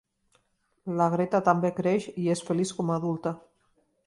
La Greta també creix i és feliç com a adulta.